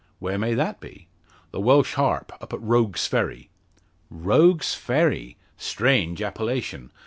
"Where may that be?" "The Welsh Harp up at Rogue's Ferry." "Rogue's Ferry? Strange appellation!